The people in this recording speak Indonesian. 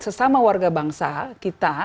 sesama warga bangsa kita